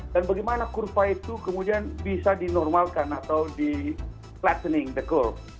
dan bagaimana kurva itu kemudian bisa dinormalkan atau di flattening the curve